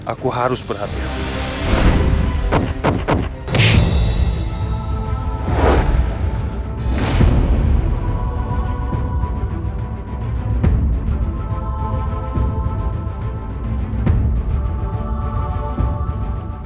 aku harus perhatian